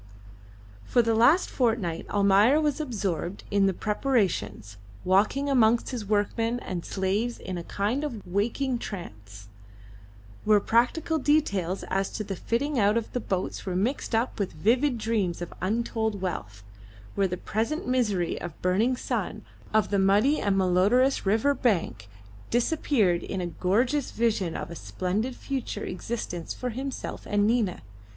For the last fortnight Almayer was absorbed in the preparations, walking amongst his workmen and slaves in a kind of waking trance, where practical details as to the fitting out of the boats were mixed up with vivid dreams of untold wealth, where the present misery of burning sun, of the muddy and malodorous river bank disappeared in a gorgeous vision of a splendid future existence for himself and Nina.